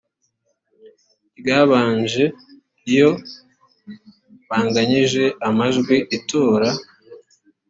ryabanje iyo banganyije amajwi itora